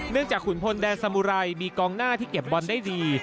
จากขุนพลแดนสมุไรมีกองหน้าที่เก็บบอลได้ดี